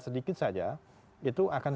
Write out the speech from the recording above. sedikit saja itu akan